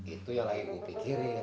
itu yang lagi kupikirin